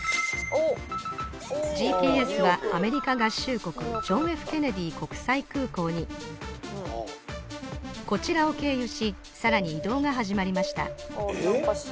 ＧＰＳはアメリカ合衆国ジョン・Ｆ・ケネディ国際空港にこちらを経由しさらに移動が始まりました・えっ？